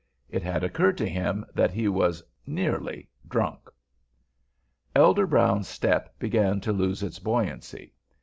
It had occurred to him that he was nearly drunk. Elder Brown's step began to lose its buoyancy.